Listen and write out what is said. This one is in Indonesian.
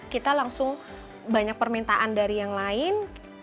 kita langsung banyak permintaan dari yang lain